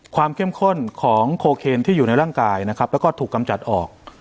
เข้มข้นของโคเคนที่อยู่ในร่างกายนะครับแล้วก็ถูกกำจัดออก